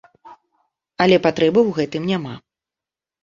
Але патрэбы ў гэтым няма.